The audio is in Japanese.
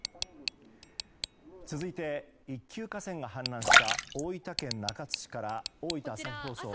続いて、一級河川が氾濫した大分県中津市から大分朝日放送からです。